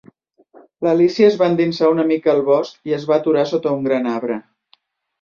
L'Alícia es va endinsar una mica al bosc i es va aturar sota un gran arbre.